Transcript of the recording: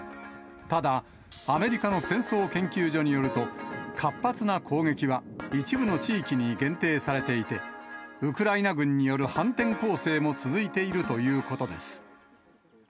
ただ、アメリカの戦争研究所によると、活発な攻撃は一部の地域に限定されていて、ウクライナ軍による反転攻勢も続いているということです。